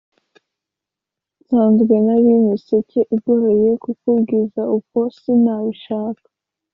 nsanzwe nari miseke igoroye, kukubwira uko sinabibasha